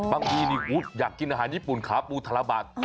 บางทีอยากกินอาหารญี่ปุ่นขาปูธละบาท